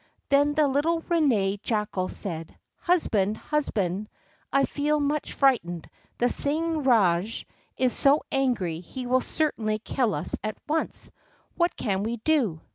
Then the little Ranee Jackal said: "Husband, husband, I feel much frightened. The Singh Rajah is so angry he will certainly kill us at once. What can we do?"